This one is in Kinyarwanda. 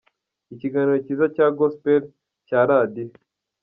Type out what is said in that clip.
Ikiganiro cyiza cya Gospel cya Radio.